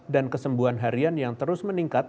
dan kesembuhan harian yang terus meningkat